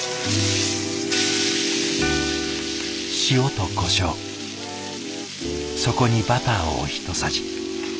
塩とこしょうそこにバターをひとさじ。